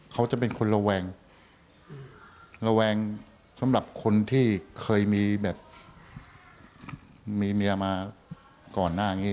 เขาจะเป็นคนระแวงระแวงสำหรับคนที่เคยมีแบบมีเมียมาก่อนหน้านี้